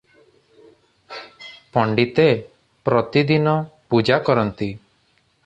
ପଣ୍ତିତେ ପ୍ରତିଦିନ ପୂଜା କରନ୍ତି ।